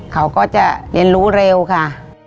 เขาก็จะเรียนรู้เร็วค่ะ